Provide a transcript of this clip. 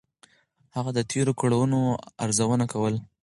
هغه د تېرو کړنو ارزونه کوله.